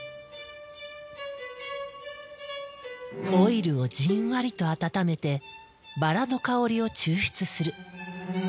オイルをじんわりと温めてバラの香りを抽出する。